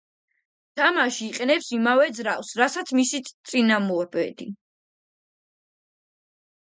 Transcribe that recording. თამაში იყენებს იმავე ძრავს, რასაც მისი წინამორბედი.